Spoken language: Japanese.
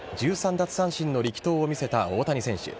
奪三振の力投を見せた大谷選手。